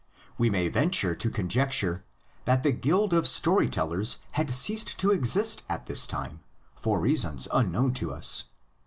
We may venture to conjecture that the guild of story tellers had ceased to exist at that time, for reasons unknown to us.